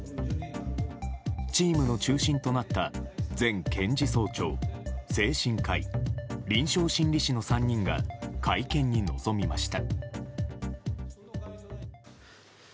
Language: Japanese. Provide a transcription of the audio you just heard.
チームの中心となった前検事総長、精神科医臨床心理士の３人が会見に臨みました。